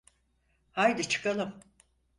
Haydi çıkalım.